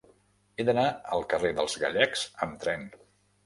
He d'anar al carrer de Gallecs amb tren.